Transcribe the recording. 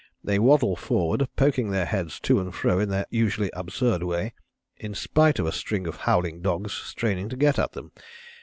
They waddle forward, poking their heads to and fro in their usually absurd way, in spite of a string of howling dogs straining to get at them.